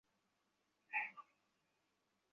তো আপনি আমাকে কালকের জন্য মাফ করেছেন?